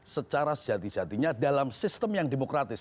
secara sejati jatinya dalam sistem yang demokratis